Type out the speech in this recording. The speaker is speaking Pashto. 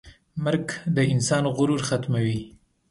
مرګ د انسان غرور ختموي.